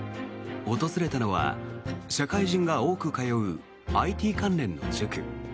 訪れたのは社会人が多く通うＩＴ関連の塾。